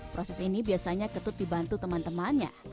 proses ini biasanya ketut dibantu teman temannya